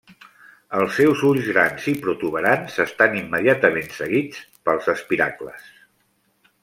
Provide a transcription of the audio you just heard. Els seus ulls grans i protuberants estan immediatament seguits pels espiracles.